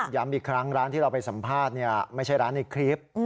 ย้ำอีกครั้งร้านที่เราไปสัมภาษณ์ไม่ใช่ร้านในคลิป